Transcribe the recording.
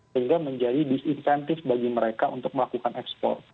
sehingga menjadi disinsentif bagi mereka untuk melakukan ekspor